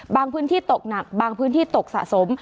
บางพื้นที่ตกหนักบางพื้นที่ตกสะสม